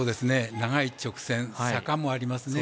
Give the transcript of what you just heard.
長い直線、坂もありますね。